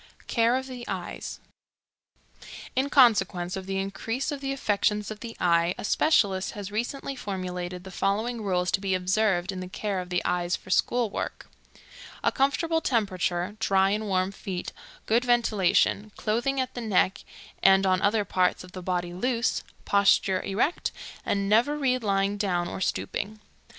Care of the Eyes. In consequence of the increase of affections of the eye, a specialist has recently formulated the following rules to be observed in the care of the eyes for school work: A comfortable temperature, dry and warm feet, good ventilation; clothing at the neck and on other parts of the body loose; posture erect, and never read lying down or stooping.